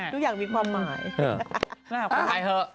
ทุกอย่างมีความหมายคุณหมายเถอะ